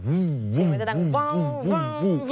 เสียงมันจะดัง